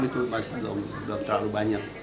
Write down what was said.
itu masih belum terlalu banyak